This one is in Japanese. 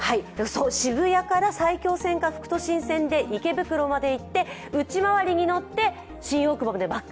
渋谷から埼京線で渋谷か池袋まで行って内回りに乗って新大久保でバック。